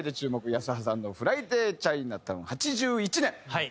泰葉さんの『フライディ・チャイナタウン』８１年。